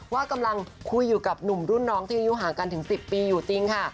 ว่ากำลังคุยอยู่กับหนุ่มรุ่นน้องที่อายุห่างกันถึง๑๐ปีอยู่จริงค่ะ